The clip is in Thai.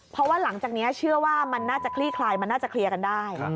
เพราะว่าหลังจากนี้เชื่อว่ามันน่าจะคลี่คลายมันน่าจะเคลียร์กันได้